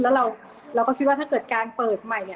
แล้วเราก็คิดว่าถ้าเกิดการเปิดใหม่เนี่ย